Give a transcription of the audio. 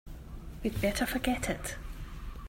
We'd better forget it.